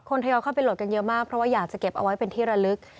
ทยอยเข้าไปโหลดกันเยอะมากเพราะว่าอยากจะเก็บเอาไว้เป็นที่ระลึก